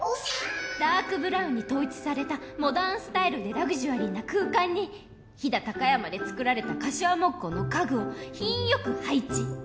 ダークブラウンに統一されたモダンスタイルでラグジュアリーな空間に飛騨高山で作られた柏木工の家具を品よく配置。